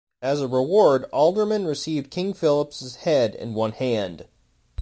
As a reward, Alderman received King Philip's head and one hand.